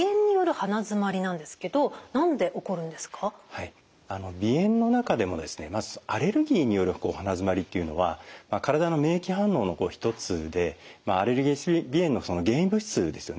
まずその鼻炎の中でもですねまずアレルギーによる鼻づまりっていうのは体の免疫反応の一つでアレルギー性鼻炎の原因物質ですよね